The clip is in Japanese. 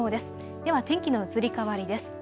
では天気の移り変わりです。